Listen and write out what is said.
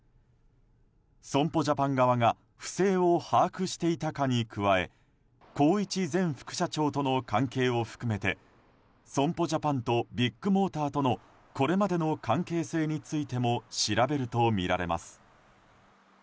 損保ジャパン側が不正を把握していたかに加え宏一前副社長との関係を含めて損保ジャパンとビッグモーターとのこれまでの関係性についても調べるとみられます。